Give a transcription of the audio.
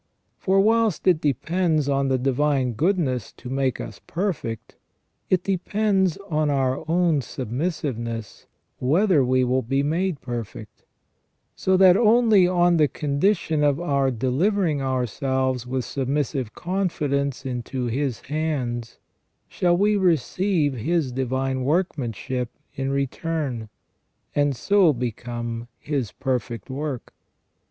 For whilst it depends on the divine goodness to make us perfect, it depends on our own submissiveness whether we will be made perfect ; so that only on the condition of our delivering ourselves with sub missive confidence into His hands shall we receive His divine workmanship in return, and so become His perfect work.